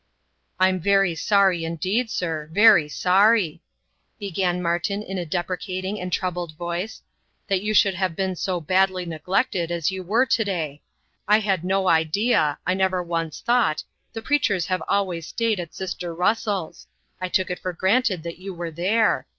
"I am very sorry indeed, sir! very sorry," began Martin in a deprecating and troubled voice, "that you should have been so badly neglected as you were to day. I had no idea I never once thought the preachers have always stayed at sister Russell's I took it for granted that you were there.